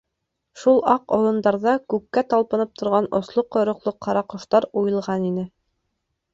Шул аҡ олондарҙа күккә талпынып торған осло ҡойроҡло ҡара ҡоштар уйылған ине.